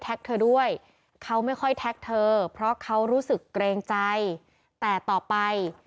เธอด้วยเขาไม่ค่อยแท็กเธอเพราะเขารู้สึกเกรงใจแต่ต่อไป